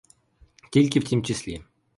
Тільки в тім числі.